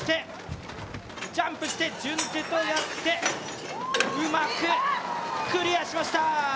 ジャンプして順手と逆手、うまくクリアしました。